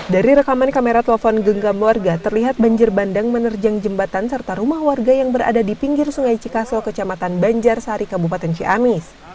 dari rekaman kamera telepon genggam warga terlihat banjir bandang menerjang jembatan serta rumah warga yang berada di pinggir sungai cikaso kecamatan banjar sari kabupaten ciamis